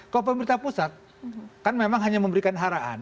kalau pemerintah pusat kan memang hanya memberikan haraan